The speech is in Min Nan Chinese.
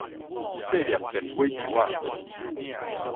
細粒電火球仔